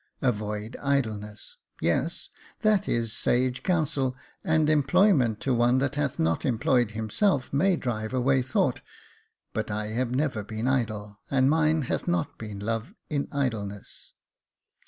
' Avoid idleness,^ — yes, that is sage counsel — and employ ment to one that hath not employed himself may drive away thought ; but I have never been idle, and mine hath not been love in idleness.